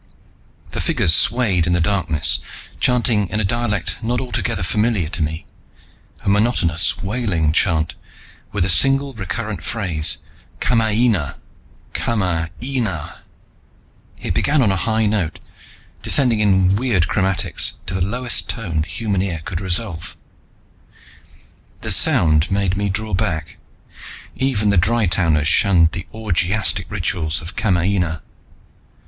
The figures swayed in the darkness, chanting in a dialect not altogether familiar to me, a monotonous wailing chant, with a single recurrent phrase: "Kamaina! Kama aina!" It began on a high note, descending in weird chromatics to the lowest tone the human ear could resolve. The sound made me draw back. Even the Dry towners shunned the orgiastic rituals of Kamaina.